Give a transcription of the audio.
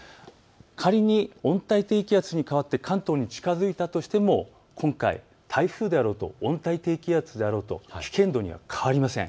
仮に温帯低気圧に変わって関東に近づいたとしても今回、台風であろうと温帯低気圧であろうと危険度に変わりはありません。